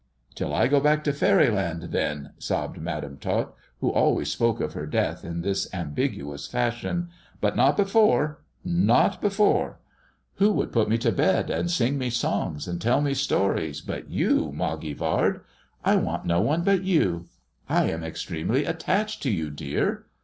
Till I go back to faery land, then," sobbed Madam Tot who always spoke of her death in this ambiguous fashion " but not before — not before. Who would put me to bed and sing me songs, and tell me stories, but you, Mogg; Vard 1 1 want no one but you. I am extremely attache( to you, dear.